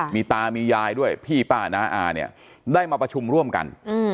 มีตามียายด้วยพี่ป้าน้าอาเนี่ยได้มาประชุมร่วมกัน